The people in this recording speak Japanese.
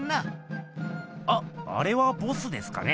あっあれはボスですかね？